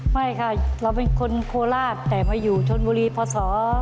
ไม่ค่ะเราเป็นคนโคราชแต่มาอยู่ชนบุรีพศ๒๕